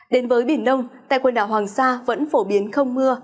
đến với biển đông tại quần đảo hoàng sa vẫn phổ biến không mưa